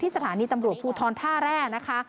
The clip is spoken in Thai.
ที่สถานีตำรวจผู้ท้อนท่าแรก